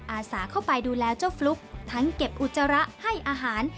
อาสาเข้าไปดูแลเจ้าฟลุ๊กทั้งเก็บอุจจาระให้อาหาร